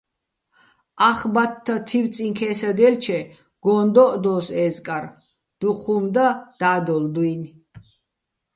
ახ ბათთა თივწიჼ ქე́სადჲელჩე გონ დო́ჸდოს ე́ზკარ, დუჴ უ̂მ და და́დოლ დუჲნი̆.